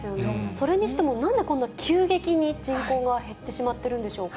それにしても、なんでこんな急激に人口が減ってしまってるんでしょうか。